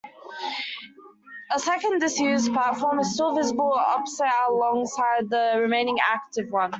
A second disused platform is still visible opposite alongside the remaining active one.